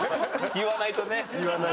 言わないと。